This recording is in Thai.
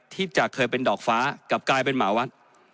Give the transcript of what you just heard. ที่จะเคยเป็นดอกฟ้ากลับกลายเป็นหมาวัด